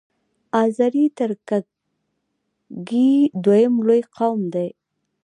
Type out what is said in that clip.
آذری ترکګي دویم لوی قوم دی.